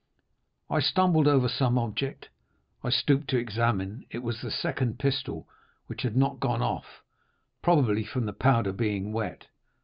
"I stumbled over some object; I stooped to examine—it was the second pistol, which had not gone off, probably from the powder being wet.